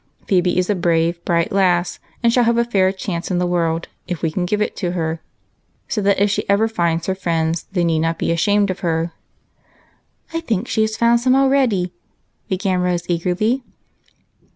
Phebe is a brave, bright lass, and shall have a fair chance in the world, if we can give it to her, so that if she ever finds her friends they need not be ashamed of her." " I think she has found some already," began Rose eagerly.